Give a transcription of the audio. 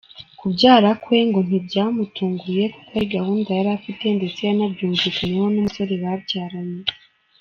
Kubyara kwe ngo ntibyamutunguye kuko ari gahunda yari afite ndetse yanabyumvikanyeho n’umusore babyaranye.